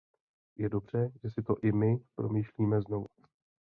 Je dobře, že si to i my promýšlíme znovu.